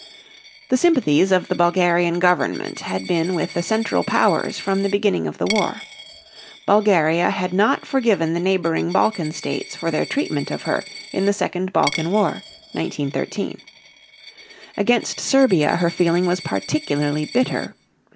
The sympathies of the Bulgarian government had been with the Central Powers from the beginning of the war. Bulgaria had not forgiven the neighboring Balkan states for their treatment of her in the second Balkan war (1913). Against Serbia her feeling was particularly bitter.